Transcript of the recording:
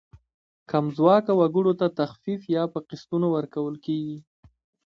کم ځواکه وګړو ته تخفیف یا په قسطونو ورکول کیږي.